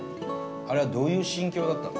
あれは、どういう心境だったの？